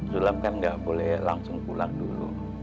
dulam kan gak boleh langsung pulang dulu